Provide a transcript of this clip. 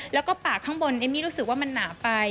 แล้วก็ปากข้างบนเอมมี่รู้สึกว่ามันหนาไป